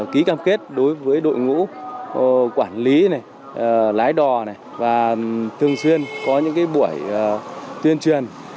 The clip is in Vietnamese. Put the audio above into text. ký cam kết đối với đội ngũ quản lý lái đò và thường xuyên có những buổi tuyên truyền